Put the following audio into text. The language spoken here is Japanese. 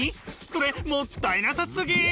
それもったいなさすぎ！